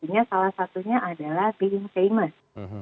ini salah satunya adalah being famous